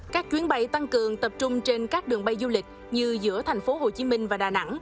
các chuyến bay tăng cường tập trung trên các đường bay du lịch như giữa thành phố hồ chí minh và đà nẵng